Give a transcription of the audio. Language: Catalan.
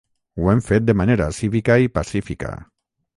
Ho hem fet de manera cívica i pacífica.